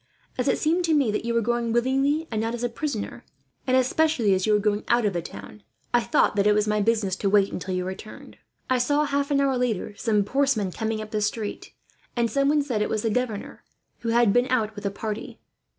As it seemed to me that you were going willingly, and not as a prisoner; and especially as you were going out of the town, I thought that it was my business to wait until you returned. "I saw, half an hour, later some horsemen coming up the street, and someone said that it was the governor, who had been out with a party.